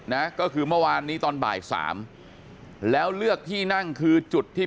นะก็คือเมื่อวานนี้ตอนบ่ายสามแล้วเลือกที่นั่งคือจุดที่